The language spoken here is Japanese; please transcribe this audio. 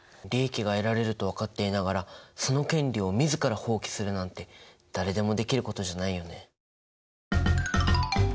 利益が得られると分かっていながらその権利を自ら放棄するなんて誰でもできることじゃないよね。